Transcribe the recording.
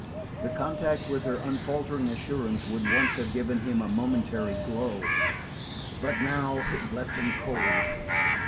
The contact with her unfaltering assurance would once have given him a momentary glow; but now it left him cold.